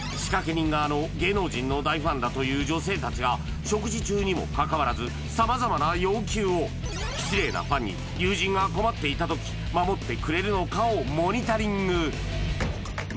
人側の芸能人の大ファンだという女性達が食事中にもかかわらず様々な要求を失礼なファンに友人が困っていた時守ってくれるのかをモニタリングまずはタカと錦鯉長谷川コンビ